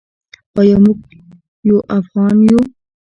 ایا موږ یو افغان یو؟